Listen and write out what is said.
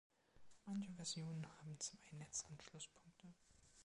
Manche Versionen haben zwei Netzanschlusspunkte.